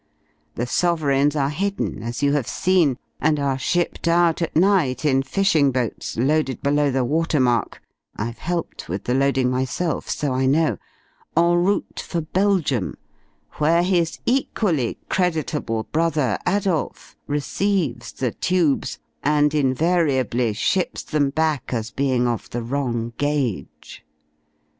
The sovereigns are hidden as you have seen, and are shipped out at night in fishing boats, loaded below the water mark I've helped with the loading myself, so I know en route for Belgium, where his equally creditable brother, Adolph, receives the tubes and invariably ships them back as being of the wrong gauge.